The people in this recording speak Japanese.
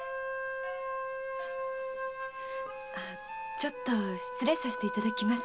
ちょっと失礼させて頂きます。